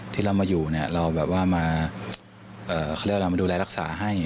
ที่เรามาอยู่เนี่ยเราแบบว่ามาเขาเรียกว่าอะไรมาดูแลรักษาให้